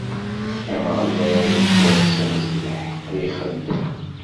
Ameɣlal ittwassen s lḥeqq i ixeddem.